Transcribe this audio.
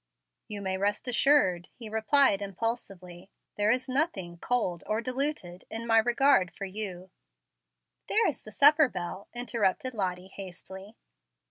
"You may rest assured," he replied impulsively, "there is nothing 'cold or diluted' in my regard for you " "There is the supper bell," interrupted Lottie, hastily.